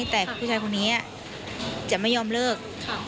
แต่ผู้ชายคนนี้จะไม่ยอมเลิก